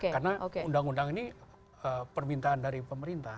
karena undang undang ini permintaan dari pemerintah